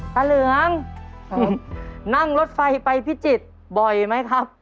เหลืองนั่งรถไฟไปพิจิตรบ่อยไหมครับ